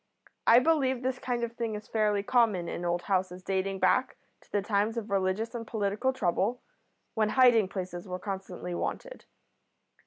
I believe this kind of thing is fairly common in old houses dating back to the times of religious and political trouble, when hiding places were constantly wanted.